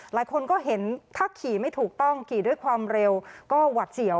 หลายคนก็เห็นถ้าขี่ไม่ถูกต้องขี่ด้วยความเร็วก็หวัดเสี่ยว